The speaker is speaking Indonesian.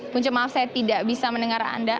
punca maaf saya tidak bisa mendengar anda